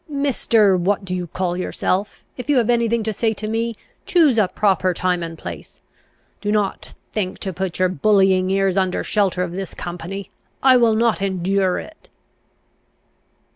"Mr. what do you call yourself, if you have anything to say to me, choose a proper time and place. Do not think to put on your bullying airs under shelter of this company! I will not endure it."